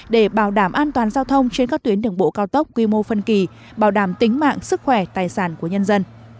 để bảo đảm an toàn giao thông trên các tuyến đường bộ cao tốc quy mô phân kỳ bảo đảm tính mạng sức khỏe tài sản của nhân dân